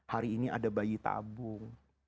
hari ini ada bayi tabung